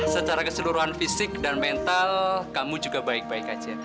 secara keseluruhan fisik dan mental kamu juga baik baik aja